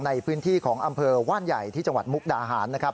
ในพื้นที่ของอำเภอว่านใหญ่ที่จังหวัดมุกดาหารนะครับ